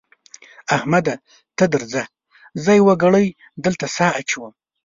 احمده ته درځه؛ زه يوه ګړۍ دلته سا اچوم.